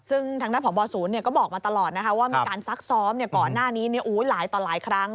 ซึ่งทางด้านพบศูนย์ก็บอกมาตลอดนะคะว่ามีการซักซ้อมก่อนหน้านี้หลายต่อหลายครั้ง